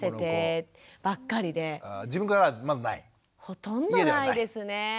ほとんどないですね。